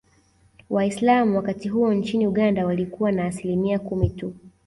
Waislamu wakati huo nchini Uganda walikuwa na Asilimia kumi tu